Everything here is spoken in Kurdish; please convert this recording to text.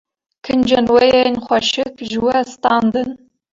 Kincên wê yên xweşik ji wê standin